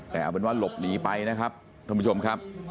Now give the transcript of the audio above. แต่เอาเป็นว่าหลบหนีไปนะครับท่านผู้ชมครับ